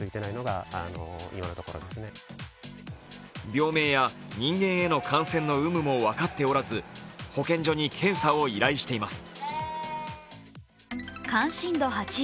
病名や人間への感染の有無も分かっておらず保健所に検査を依頼しています。